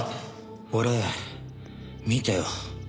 俺見たよ。